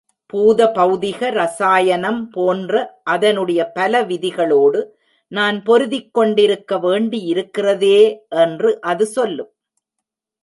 பூத பௌதிக, ரசாயனம் போன்ற அதனுடைய பல விதிகளோடு நான் பொருதிக் கொண்டிருக்க வேண்டியிருக்கிறதே! என்று அது சொல்லும்.